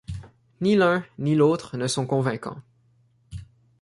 Ni l'un ni l'autre ne sont convaincants.